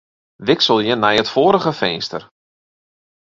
Wikselje nei it foarige finster.